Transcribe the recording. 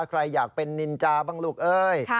ใครอยากเป็นนินจาบ้างลูกเอ้ย